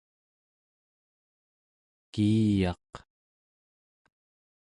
kiiyaq